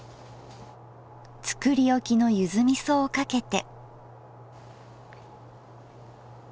作り置きのゆずみそをかけて。